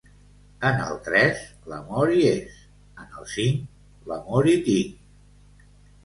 En el tres, l'amor hi és; en el cinc, l'amor hi tinc.